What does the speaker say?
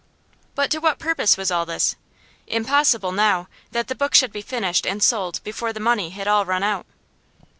But to what purpose was all this? Impossible, now, that the book should be finished and sold before the money had all run out.